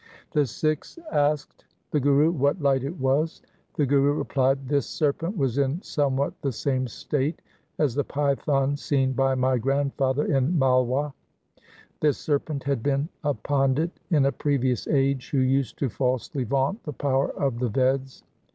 The Sikhs asked the Guru what light it was. The Guru replied, ' This serpent was in somewhat the same state as the python seen by my grandfather in Malwa. This serpent had been a pandit in a previous age, who used to falsely vaunt the power of the Veds.